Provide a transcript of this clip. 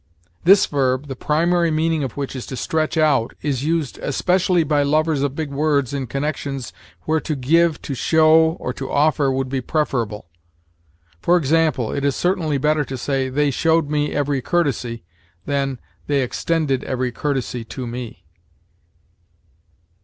This verb, the primary meaning of which is to stretch out, is used, especially by lovers of big words, in connections where to give, to show, or to offer would be preferable. For example, it is certainly better to say, "They showed me every courtesy," than "They extended every courtesy to me."